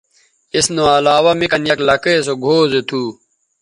اس نو علاوہ می کن یک لکئے سوگھؤ زو تھو